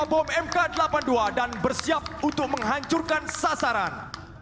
tujuh puluh dua bom mk delapan puluh dua dan bersiap untuk menghancurkan sasaran